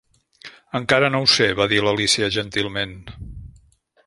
"Encara no ho sé", va dir l'Alícia, gentilment.